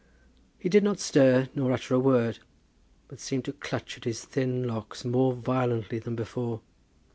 He did not stir nor utter a word, but seemed to clutch at his thin locks more violently than before.